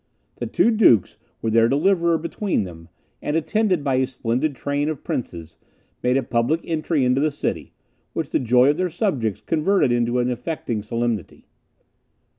The two dukes, with their deliverer between them, and attended by a splendid train of princes, made a public entry into the city, which the joy of their subjects converted into an affecting solemnity.